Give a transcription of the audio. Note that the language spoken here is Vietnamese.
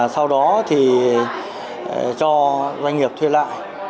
sau đó cho doanh nghiệp thuê lại